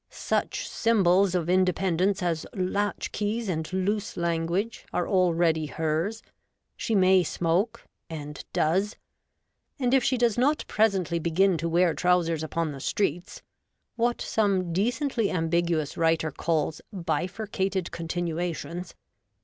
Such symbols of independence as latch keys and loose language are already hers ; she may smoke — and does ; and if she does not presently begin to wear trousers upon the streets — what some decently ambiguous writer calls bifurcated continuations